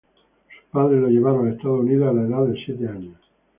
Sus padres lo llevaron a Estados Unidos a la edad de siete años.